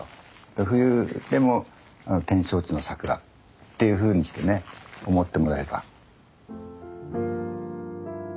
で冬でも展勝地の桜っていうふうにしてね思ってもらえば。